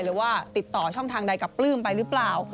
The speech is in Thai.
หรือว่าติดต่อช่องทางใดกับปลื้มไปหรือเปล่า